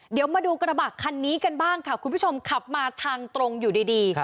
เดี๋ยวมาดูกระบะคันนี้กันบ้างค่ะคุณผู้ชมขับมาทางตรงอยู่ดี